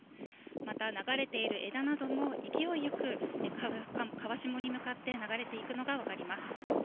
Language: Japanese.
また、流れている枝なども、勢いよく、川下に向かって流れていくのが分かります。